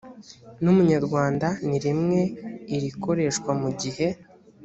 n umunyarwanda ni rimwe n irikoreshwa mu gihe